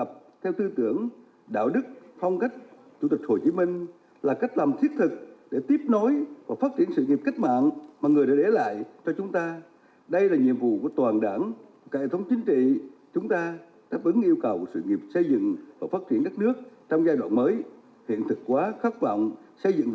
việt nam là biểu tượng của đạo đức cộng sản cao đẹp trong sáng